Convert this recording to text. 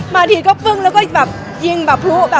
มาทีก็เพิ่งแล้วก็ยิ่งแบบพลุ